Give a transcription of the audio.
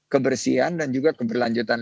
kebersihan dan juga keberlanjutan